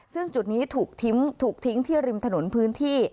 ซึ่งจุดนี้ถูกทิ้งที่ริมถนนพื้นที่